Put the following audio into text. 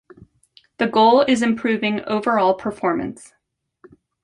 The goal is improving overall performance.